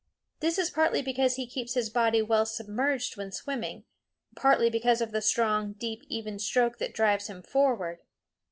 This is partly because he keeps his body well submerged when swimming, partly because of the strong, deep, even stroke that drives him forward.